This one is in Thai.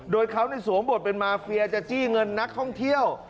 โดยเขาสวมบทเป็นมาเฟียจะจี้เงินนักท่องเที่ยว